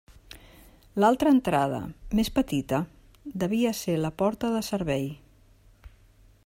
L'altra entrada, més petita, devia ser la porta de servei.